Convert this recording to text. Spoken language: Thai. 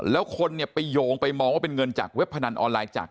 แล้วคนเนี่ยไปโยงไปมองว่าเป็นเงินจากเว็บพนันออนไลน์จาก